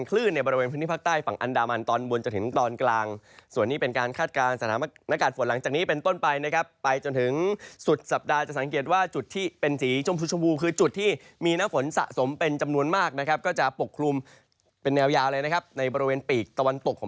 คลื่นในบริเวณพื้นที่ภาคใต้ฝั่งอันดามันตอนบนจนถึงตอนกลาง